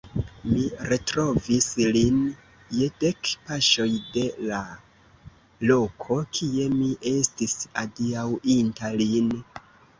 Mi retrovis lin je dek paŝoj de la loko, kie mi estis adiaŭinta lin.